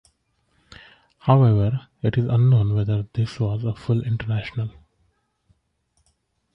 However, it is unknown whether this was a full international.